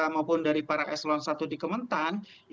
maupun dari para eselon i di kementerian pertanian